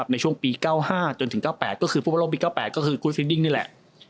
ในช่วงปี๙๕๙๘ก็คือคุณฮิตดิ้งนี่แหละ